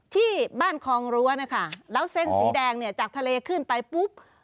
ที่บ้านคลองรั้วนะคะแล้วเส้นสีแดงเนี่ยจากทะเลขึ้นไปปุ๊บ